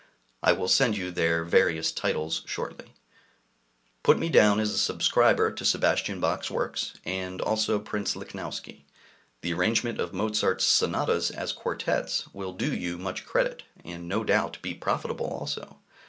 I will send you their various titles shortly. Put me down as a subscriber to Sebastian Bach's works [see Letter 20], and also Prince Lichnowsky. The arrangement of Mozart's Sonatas as quartets will do you much credit, and no doubt be profitable also.